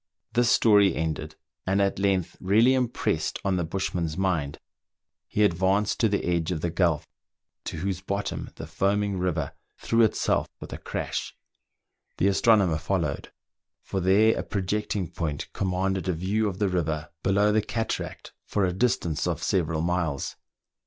This story ended, and at length really impressed on the bushman's mind, he advanced to the edge of the gulf to whose bottom the foaming river threw itself with a crash : the astronomer followed, for there a projecting point com manded a view of the river, below the cataract, for a distance of several miles.